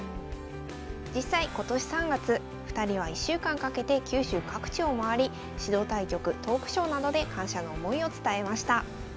実際今年３月２人は１週間かけて九州各地を回り指導対局・トークショーなどで感謝の思いを伝えました。